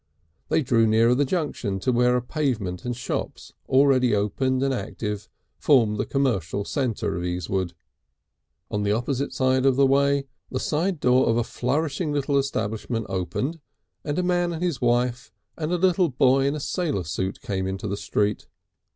They drew nearer the junction to where a pavement and shops already open and active formed the commercial centre of Easewood. On the opposite side of the way the side door of a flourishing little establishment opened, and a man and his wife and a little boy in a sailor suit came into the street.